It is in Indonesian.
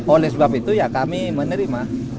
oleh sebab itu ya kami menerima